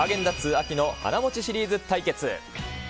秋の華もちシリーズ対決。